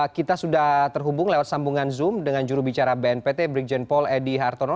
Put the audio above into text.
kita sudah terhubung lewat sambungan zoom dengan jurubicara bnpt brigjen paul edy hartono